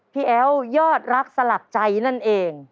แอ๋วยอดรักสลักใจนั่นเอง